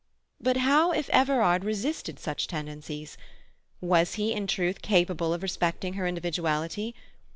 But how if Everard resisted such tendencies? Was he in truth capable of respecting her individuality?